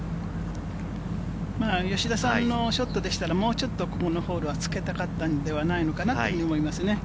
吉田さんのショットでしたら、もうちょっとこのホールはつけたかったんではないのかなって思いますね。